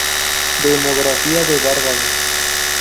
Demografía de Barbados